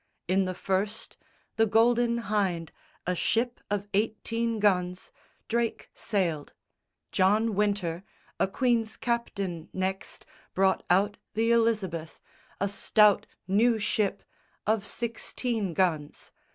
In the first, The Golden Hynde, a ship of eighteen guns, Drake sailed: John Wynter, a queen's captain, next Brought out the Elizabeth, a stout new ship Of sixteen guns.